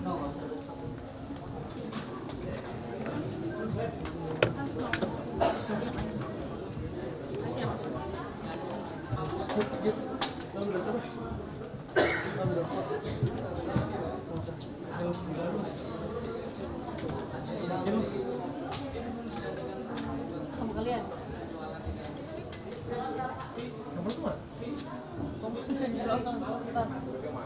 assalamualaikum warahmatullahi wabarakatuh